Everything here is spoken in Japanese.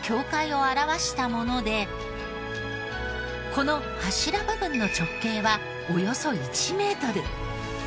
この柱部分の直径はおよそ１メートル。